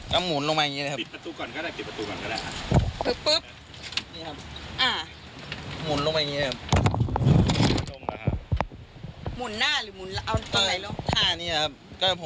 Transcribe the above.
ทนุ่มมุนลงไปอย่างนี้ครับ